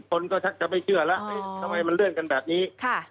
คนก็ชักจะไม่เชื่อแล้วทำไมมันเลื่อนกันแบบนี้